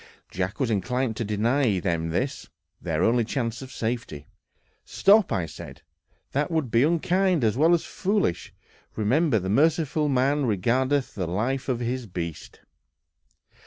Jack was inclined to deny them this, their only chance of safety. "Stop," said I, "that would be unkind as well as foolish; remember, the merciful man regardeth the life of his beast."